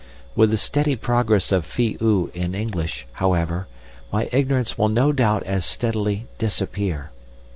With the steady progress of Phi oo in English, however, my ignorance will no doubt as steadily disappear.